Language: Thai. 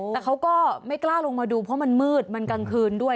แต่เขาก็ไม่กล้าลงมาดูเพราะมันมืดมันกลางคืนด้วย